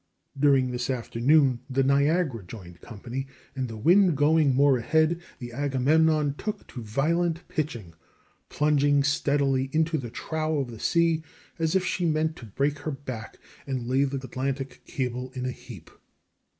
During this afternoon the Niagara joined company, and the wind going more ahead, the Agamemnon took to violent pitching, plunging steadily into the trough of the sea as if she meant to break her back and lay the Atlantic cable in a heap.